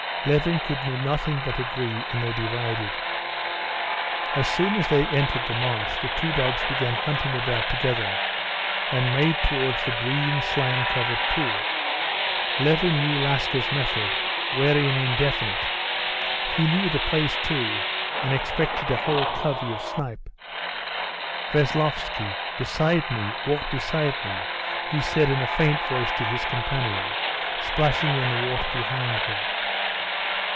Levin could do nothing but agree, and they divided. As soon as they entered the marsh, the two dogs began hunting about together and made towards the green, slime covered pool. Levin knew Laska's method, wary and indefinite; he knew the place too and expected a whole covey of snipe. "Veslovsky, beside me, walk beside me!" he said in a faint voice to his companion splashing in the water behind him.